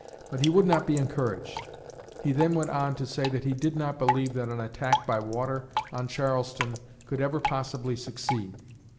But he would not be encouraged. He then went on to say that he did not believe that an attack by water on Charleston could ever possibly succeed.